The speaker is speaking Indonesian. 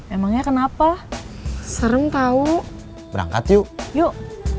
emangnya kenapa serem tau berangkat yuk yuk